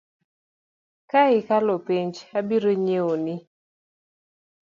Ka ikalo penj abiro nyiewoni .